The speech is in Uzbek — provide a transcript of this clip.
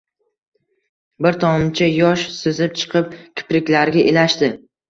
bir tomchi yosh sizib chiqib kipriklariga ilashdi